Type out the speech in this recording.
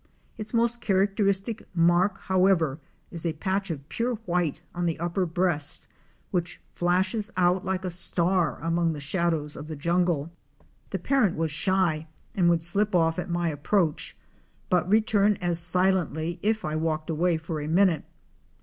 Its most characteristic mark, however, is a patch of pure white on the upper breast, which flashes out like a star among the shadows of the jungle. The parent was shy and would slip off at my approach, but return as silently if I walked away for a minute.